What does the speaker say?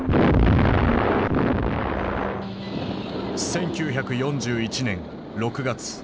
１９４１年６月。